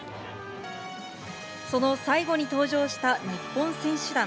その最後に登場した日本選手団。